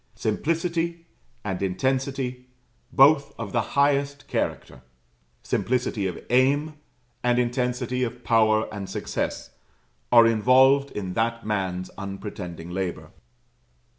Simplicity, and intensity, both of the highest character; simplicity of aim, and intensity of power and success, are involved in that man's unpretending labour.